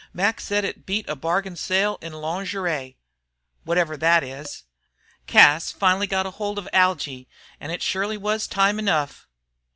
Mac said it beat a bargain sale in loongeree, whatever that is. Cas finally got hold of Algy, and it surely was time enough!"